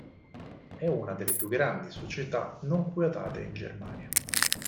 È una delle più grandi società non quotate in Germania.